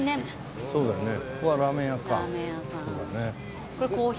そうだよね。